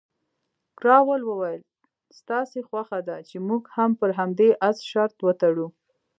کراول وویل، ستاسې خوښه ده چې موږ هم پر همدې اس شرط وتړو؟